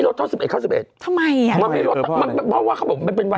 เพราะว่าเขาบอกมันเป็นวันที่สุด